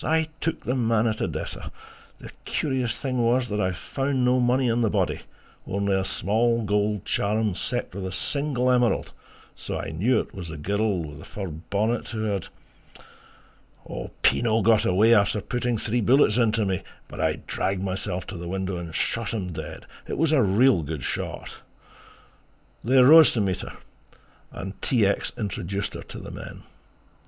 I took the man at Odessa...." "... the curious thing was that I found no money on the body, only a small gold charm set with a single emerald, so I knew it was the girl with the fur bonnet who had..." "... Pinot got away after putting three bullets into me, but I dragged myself to the window and shot him dead it was a real good shot...!" They rose to meet her and T. X. introduced her to the men.